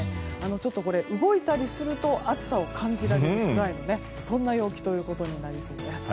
ちょっと動いたりすると暑さを感じられるくらいのそんな陽気となりそうです。